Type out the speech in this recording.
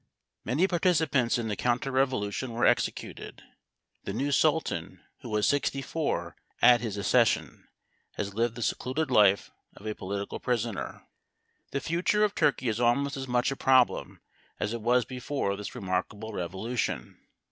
Many participants in the counter revolution were executed. The new Sultan, who was sixty four at his accession, has lived the secluded life of a political prisoner. The future of Turkey is almost as much a problem as it was before this remarkable revolution.